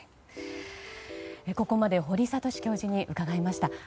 ここまで堀賢教授に伺いました。